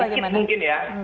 agak dikit mungkin ya